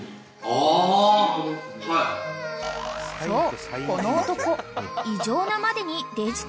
［そうこの男］